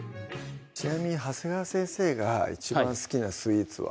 ちなみに長谷川先生が一番好きなスイーツは？